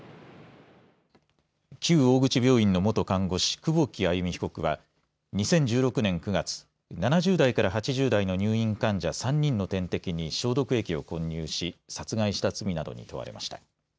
旧大口病院の元看護師、久保木愛弓被告は２０１６年９月、７０代から８０代の入院患者３人の点滴に消毒液を混入し殺害した罪などに問われました。